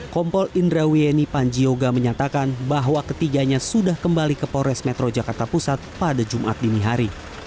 kompol indra wieni panjioga menyatakan bahwa ketiganya sudah kembali ke pores metro jakarta pusat pada jumat dini hari